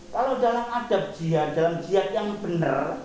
kalau dalam adab jihad dalam jihad yang benar